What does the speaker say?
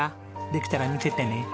できたら見せてね。